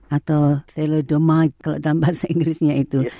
atau philledomic kalau dalam bahasa inggrisnya itu